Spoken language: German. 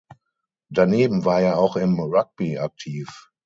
Daneben war er auch im Rugby aktiv.